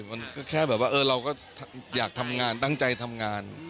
มันก็แค่แบบว่าเราก็อยากทำงานตั้งใจทำงาน